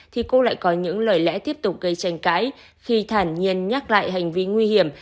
thì cô lại có những lời lẽ tiếp tục gây tranh cãi khi thản nhiên nhắc lại hành vi nguy hiểm